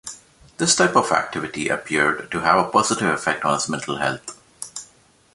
This type of activity appeared to have a positive effect on his mental health.